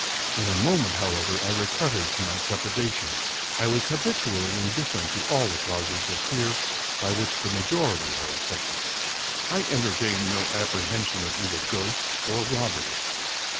In a moment, however, I recovered from my trepidation. I was habitu ally indifferent to all the causes of fear by which the ma jority are afflicted. I entertained no apprehension of either ghosts or robbers.